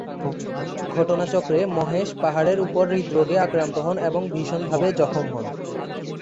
ঘটনাচক্রে মহেশ পাহাড়ের ওপর হৃদরোগে আক্রান্ত হন এবং ভীষণভাবে জখম হন।